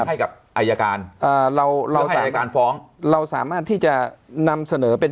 ให้กับอายการเอ่อเราเราใส่อายการฟ้องเราสามารถที่จะนำเสนอเป็น